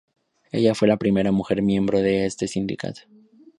Ella fue la primera mujer miembro de este sindicato.